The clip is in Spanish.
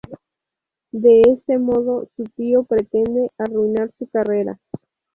De este modo, su tío pretende arruinar su carrera.